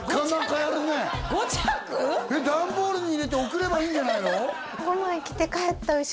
えっ段ボールに入れて送ればいいんじゃないの？